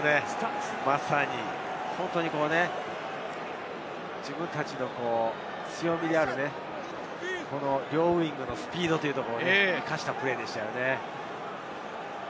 まさに自分たちの強みである両ウイングのスピードを生かしたプレーでしたね。